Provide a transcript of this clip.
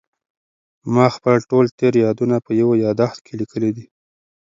ما خپل ټول تېر یادونه په یو یادښت کې لیکلي دي.